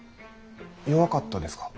弱かったですか。